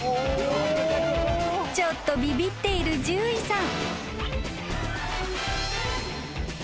［ちょっとビビっている獣医さん］